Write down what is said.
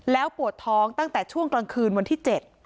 แล้วปวดท้องตั้งแต่ช่วงกลางคืนวันที่๗